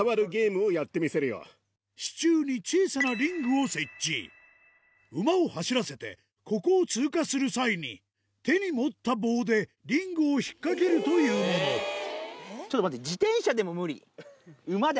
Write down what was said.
支柱に小さなリングを設置馬を走らせてここを通過する際に手に持った棒でリングを引っかけるというものちょっと待って。